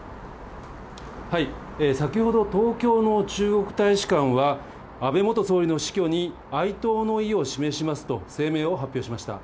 先ほど、東京の中国大使館は、安倍元総理の死去に哀悼の意を示しますと、声明を発表しました。